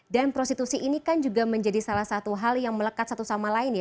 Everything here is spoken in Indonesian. dan prostitusi ini kan juga menjadi salah satu hal yang melekat satu sama lain ya